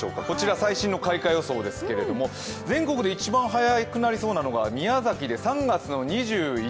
こちら最新の開花予想ですけれども全国で一番早くなりそうなのが宮崎で３月の２１。